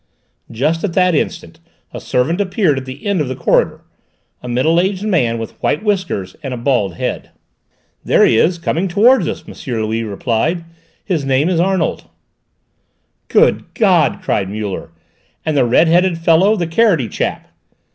Just at that instant a servant appeared at the end of the corridor, a middle aged man with white whiskers and a bald head. "There he is, coming towards us," M. Louis replied. "His name is Arnold." "Good God!" cried Muller; "and the red headed fellow: the carroty chap?"